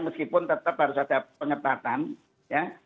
meskipun tetap harus ada pengetatan ya